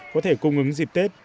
có thể cung ứng dịp tết